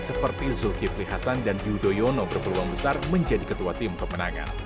seperti zulkifli hasan dan yudhoyono berpeluang besar menjadi ketua tim pemenangan